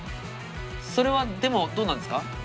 それはでもどうなんですか？